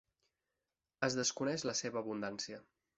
Es desconeix la seva abundància.